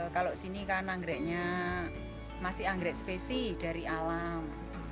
kalau sini kan anggreknya masih anggrek spesi dari alam